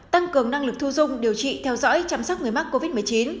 tăng cường năng lực thu dung điều trị theo dõi chăm sóc người mắc covid một mươi chín